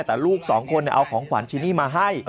แต่ลูกสองคนเอาของขวัญชิ้นนี้มาให้